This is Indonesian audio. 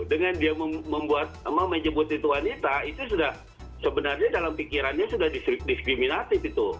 dengan dia membuat menyebut itu wanita itu sudah sebenarnya dalam pikirannya sudah diskriminatif itu